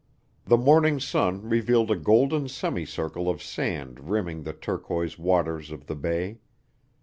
The morning sun revealed a golden semicircle of sand rimming the turquoise waters of the bay.